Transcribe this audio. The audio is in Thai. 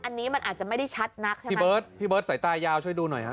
อันนี้มันอาจจะไม่ได้ชัดนักใช่ไหมพี่เบิร์ดพี่เบิร์ดสายตายาวช่วยดูหน่อยฮะ